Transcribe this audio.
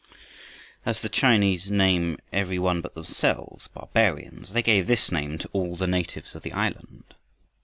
As the Chinese name every one but themselves "barbarians," they gave this name to all the natives of the island.